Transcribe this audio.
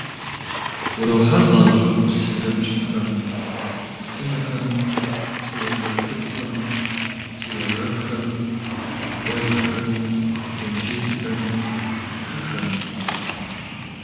УрохьэлӀэ щӀыгупс зэмыщхьхэм: псынэхэм, псыежэх цӀыкӀухэм, псыежэххэм, гуэлхэм, тенджызхэм, хыхэм.